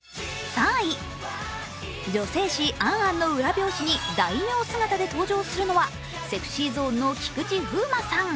女性誌「ａｎａｎ」の裏表紙に大名姿で登場するのはＳｅｘｙＺｏｎｅの菊池風磨さん。